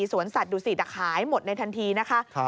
สวนสาธารณ์ดูสิตครายหมดในทันทีนะคะ